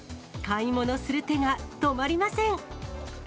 買い物する手が止まりません。